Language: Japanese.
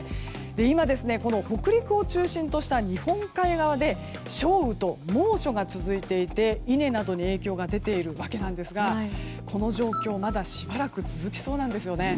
今、北陸を中心とした日本海側で少雨と猛暑が続いていて稲などに影響が出ているわけなんですがこの状況、まだしばらくは続きそうなんですね。